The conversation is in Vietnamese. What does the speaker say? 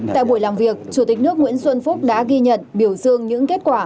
tại buổi làm việc chủ tịch nước nguyễn xuân phúc đã ghi nhận biểu dương những kết quả